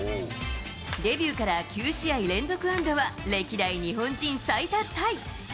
デビューから９試合連続安打は歴代日本人最多タイ。